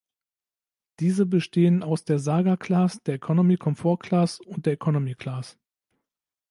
Diese bestehen aus der "Saga Class", der "Economy Comfort Class" und der "Economy Class".